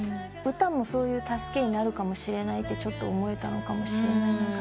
歌もそういう助けになるかもしれないってちょっと思えたのかもしれない。